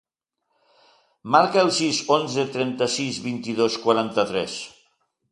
Marca el sis, onze, trenta-sis, vint-i-dos, quaranta-tres.